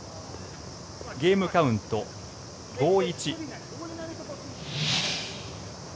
ゲームカウント、５−１。